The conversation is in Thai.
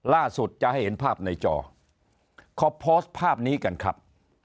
ล่าสุดจะให้เห็นภาพในจอเขาโพสต์ภาพนี้กันครับ